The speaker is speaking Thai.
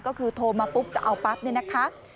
ก็คือโทรมาปุ๊บจะเอาปั๊บเนี่ยนะคะ